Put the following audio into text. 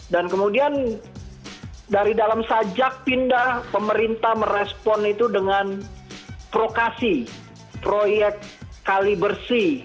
kemudian dari dalam sajak pindah pemerintah merespon itu dengan prokasi proyek kali bersih